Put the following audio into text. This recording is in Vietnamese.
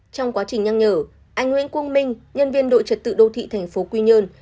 trong quá trình nhăng nhở anh nguyễn quân minh nhân viên đội trật tự đô thị tp quy nhơn